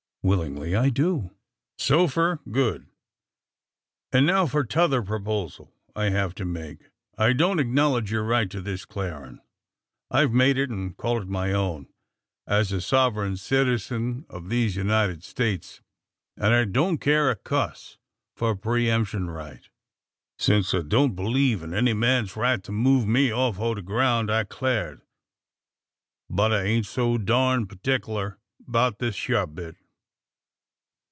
"Willingly I do." "So fur good; an' now for tother proposal I hev to make. I don't acknowledge yur right to this clarin'. I've made it; an' call it my own, as a sovereign citizen of these United States; an' I don't care a cuss for pre emption right, since I don't believe in any man's right to move me off o' the groun' I've clared. But I ain't so durned pertickler 'bout this hyur bit.